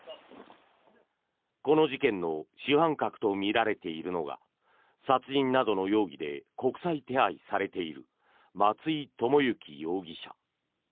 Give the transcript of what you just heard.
この事件の主犯格とみられているのが殺人などの容疑で国際手配されている松井知行容疑者。